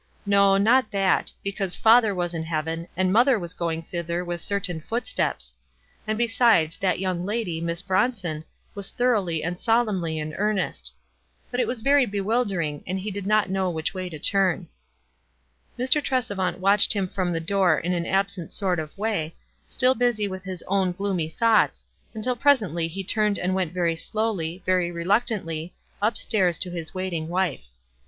No, not that ; because father was in heaven, and mother was going thither with cer tain footsteps ; and, besides, that young lady, Miss Bronson, was thoroughly and solemnly in earnest. But it was very bewildering, and he did not know which wav to turn. 208 WISE AND OTHERWISE. Mr. Tresevant watched him from the door In an absent sort of way, still busy with his own gloomy thoughts, until presently he turned and went very slowly, very reluctantly, up stairs to his waiting wife.